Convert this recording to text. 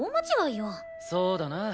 そうだな。